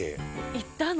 行ったの？